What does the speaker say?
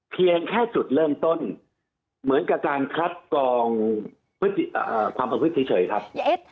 เพียงแค่จุดเริ่มต้นเหมือนกับการคัดกองความประพฤติเฉยครับ